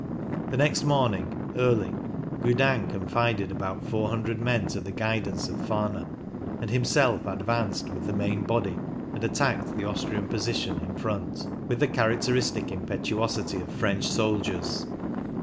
The next morning, early, Gudin confided about 400 men to the guidance of Fahner, and himself advanced with the main body and attacked the Austrian position in front — with the characteristic impetuosity of French soldiers.